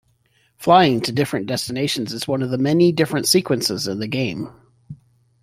Flying to different destinations is one of the many different sequences in the game.